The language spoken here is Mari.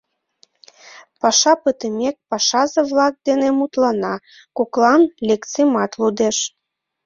Паша пытымек, пашазе-влак дене мутлана, коклан лекцийымат лудеш.